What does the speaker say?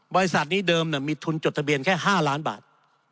บริษัทนี้เดิมมีทุนจดทะเบียนแค่๕ล้านบาท